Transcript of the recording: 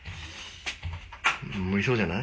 無理そうじゃない？